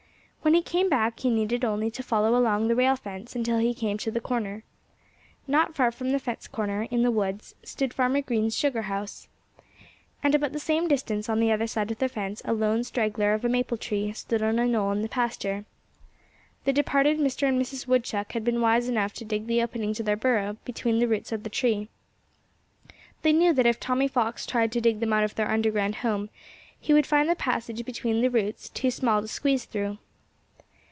When he came back he needed only to follow along the rail fence until he came to the corner. Not far from the fence corner, in the woods, stood Farmer Green's sugar house. And about the same distance on the other side of the fence a lone straggler of a maple tree stood on a knoll in the pasture. The departed Mr. and Mrs. Woodchuck had been wise enough to dig the opening to their burrow between the roots of the tree. They knew that if Tommy Fox tried to dig them out of their underground home, he would find the passage between the roots too small to squeeze through.